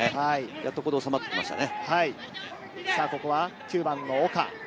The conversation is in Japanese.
やっとここで収まってきましたね。